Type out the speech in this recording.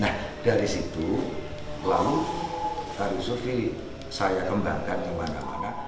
nah dari situ lalu tari suvinin saya kembangkan kemana mana